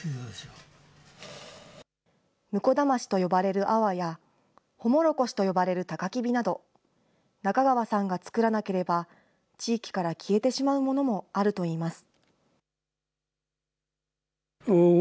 ムコダマシと呼ばれるアワや、ホモロコシと呼ばれるタカキビなど、中川さんが作らなければ、地域から消えてしまうものもあるといいます。